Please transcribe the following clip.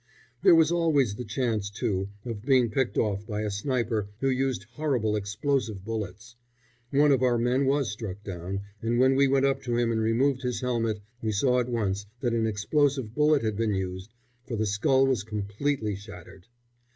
There was always the chance, too, of being picked off by a sniper who used horrible explosive bullets. One of our men was struck down, and when we went up to him and removed his helmet we saw at once that an explosive bullet had been used, for the skull was completely shattered.